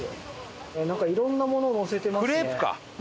なんかいろんなものをのせてますね。